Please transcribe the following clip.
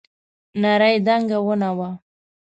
نرۍ دنګه ونه وه.